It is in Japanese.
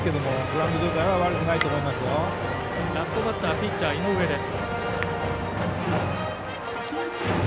ラストバッターピッチャー、井上です。